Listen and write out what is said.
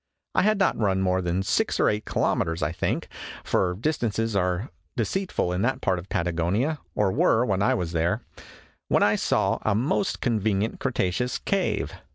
I had not run more than six or eight kilometers, I think (for distances are deceitful in that part of Patagonia or were, when I was there), when I saw a most convenient cretaceous cave.